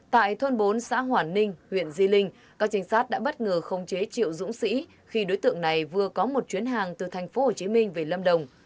tại thôn bốn xã hoản ninh huyện di linh các trinh sát đã bất ngờ không chế triệu dũng sĩ khi đối tượng này vừa có một chuyến hàng từ thành phố hồ chí minh về lâm đồng